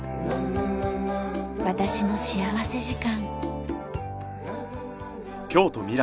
『私の幸福時間』。